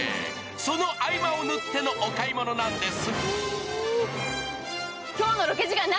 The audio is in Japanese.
その合間を縫ってのお買い物なんです。